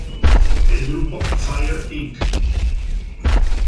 El grupo Fire Inc.